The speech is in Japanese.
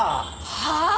はあ！？